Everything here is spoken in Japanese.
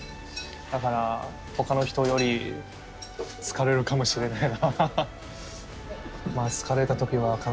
だから、他の人より疲れるかもしれない。